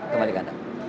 kembali ke anda